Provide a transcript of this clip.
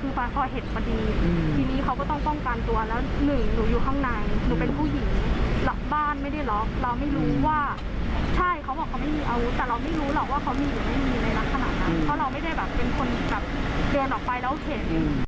คือพอเห็นพอดีทีนี้เขาก็ต้องป้องกันตัวแล้วหนึ่งหนูอยู่ข้างในหนูเป็นผู้หญิงล็อกบ้านไม่ได้ล็อกเราไม่รู้ว่าใช่เขาบอกเขาไม่มีอาวุธแต่เราไม่รู้หรอกว่าเขามีหรือไม่มีในลักษณะนั้นเพราะเราไม่ได้แบบเป็นคนแบบเดินออกไปแล้วเห็น